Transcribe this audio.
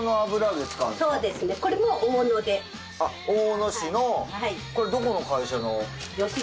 大野市のこれどこの会社の？